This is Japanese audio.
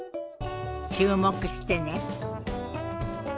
注目してね。